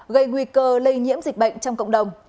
gây nguy cơ lây nhiễm dịch bệnh trong cộng đồng